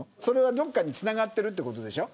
どこかにつながってるってことでしょ。